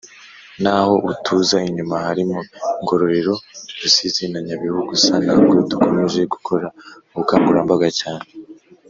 Naho utuza inyuma Harimo Ngororero ,rusizi na Nyabihu gusa natwo dukomeje gukora ubukangurambaga cyane.